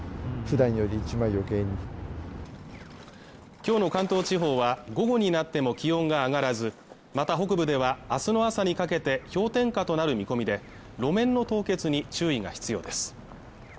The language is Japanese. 今日の関東地方は午後になっても気温が上がらずまた北部ではあすの朝にかけて氷点下となる見込みで路面の凍結に注意が必要です